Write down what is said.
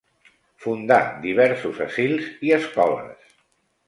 Fundà diversos asils i escoles.